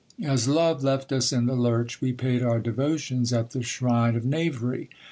As love left us in the lurch, we paid our devotions at the shrine of knavery.